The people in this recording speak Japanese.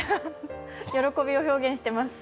喜びを表現してます。